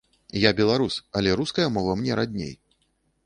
Я беларус, але руская мова мне радней.